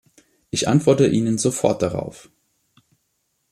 Ich antworte Ihnen sofort darauf.